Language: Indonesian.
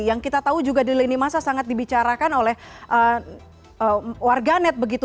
yang kita tahu juga di lini masa sangat dibicarakan oleh warganet begitu